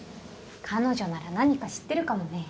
彼女なら何か知ってるかもね。